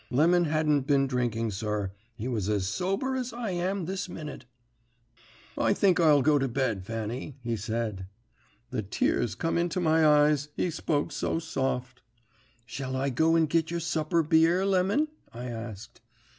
Lemon hadn't been drinking, sir; he was as sober as I am this minute. "'I think I'll go to bed, Fanny,' he said. "The tears come into my eyes, he spoke so soft. "'Shall I go and git your supper beer, Lemon?' I asked.